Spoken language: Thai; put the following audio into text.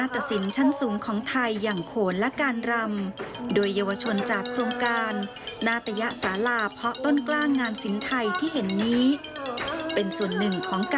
ติดตามจากปรายงานค่ะ